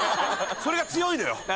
それが強いのよ。